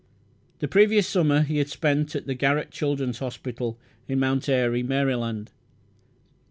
The previous summer he had spent at the Garrett Children's Hospital in Mt. Airy, Maryland.